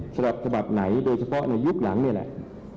ฉบับฉบับไหนโดยเฉพาะในยุคหลังนี่แหละ